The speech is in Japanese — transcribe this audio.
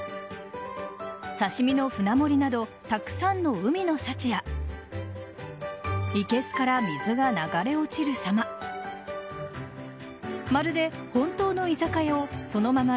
刺し身の舟盛りなどたくさんの海の幸やいけすから水が流れ落ちるさま。